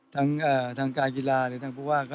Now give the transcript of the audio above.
ทางการกีฬาหรือทางภูเขาหรอ